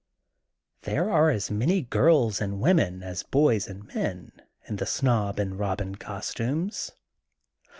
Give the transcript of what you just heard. There are as many girls and women, as boys and men, in the Snob and Bobin costumes.